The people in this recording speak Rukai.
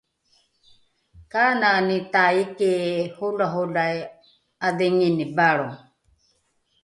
kanani taiki holaholai ’adhingini valro?